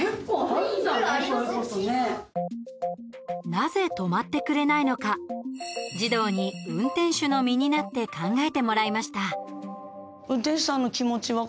なぜ止まってくれないのか児童に運転手の身になって考えてもらいました。